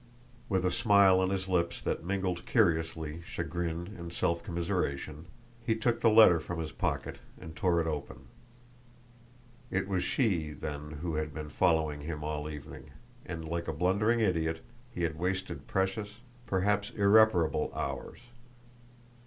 With a smile on his lips that mingled curiously chagrin and self commiseration, he took the letter from his pocket and tore it open. It was she, then, who had been following him all evening, and, like a blundering idiot, he had wasted precious, perhaps irreparable, hours!